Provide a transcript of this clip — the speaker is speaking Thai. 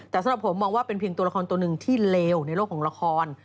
แต่สำหรับผมมองว่าเป็นเพียงตัวละครตัวหนึ่งที่เลวในโลกของละคร